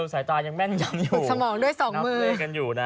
สายตายังแม่งยังอยู่